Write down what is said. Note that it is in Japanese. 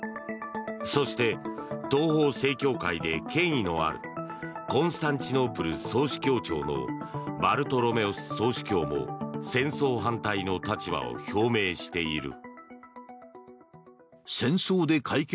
そして、東方正教会で権威のあるコンスタンチノープル総主教庁のバルトロメオス総主教も戦争反対の立場を表明している。